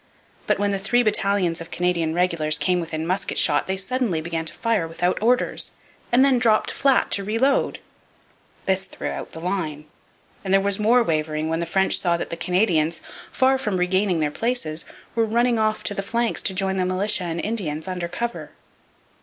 But when the three battalions of Canadian regulars came within musket shot they suddenly began to fire without orders, and then dropped down flat to reload. This threw out the line; and there was more wavering when the French saw that the Canadians, far from regaining their places, were running off to the flanks to join the militia and Indians under cover.